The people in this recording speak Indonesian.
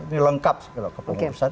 ini lengkap kalau ke pengurusan